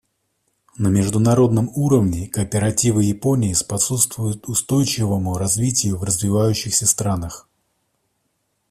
На международном уровне кооперативы Японии способствуют устойчивому развитию в развивающихся странах.